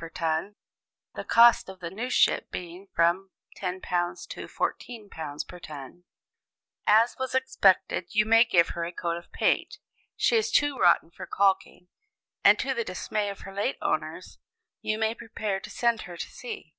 per ton (the cost of a new ship being from £10 to £14 per ton), as was expected, you may give her a coat of paint she is too rotten for caulking and to the dismay of her late owners, you may prepare to send her to sea.